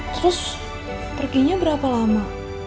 terus perginya berapa lama